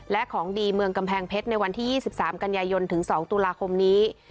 และของดีเมืองกำแพงเพชรในวันที่๒๓กันยายนถึง๒ตุลาคมนี้